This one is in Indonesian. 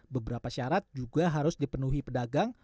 beberapa syarat juga harus dipenuhi pedagang